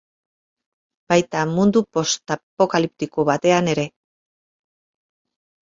Baita, mundu post-apokaliptiko batean ere.